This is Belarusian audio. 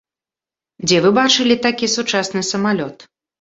Дзе вы бачылі такі сучасны самалёт?